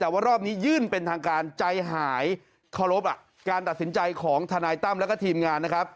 แต่ว่ารอบนี้ยื่นเป็นทางการใจหายเคารพการตัดสินใจของทนายตั้มแล้วก็ทีมงานนะครับ